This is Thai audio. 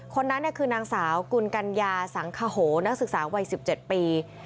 คนนั้นคือนางสาวกุลกัญญาสังขโหนักศึกษาวัย๑๗ปี